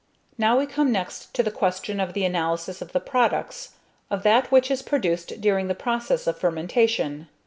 Now we come next to the question of the analysis of the products, of that which is produced during the process of fermentation.